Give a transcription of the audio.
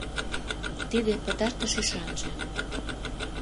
Тиде пытартыш ӱшанже.